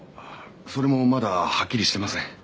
それもまだはっきりしていません。